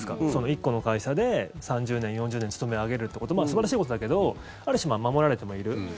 １個の会社で３０年、４０年勤め上げるということ素晴らしいことだけどある種、守られてもいる。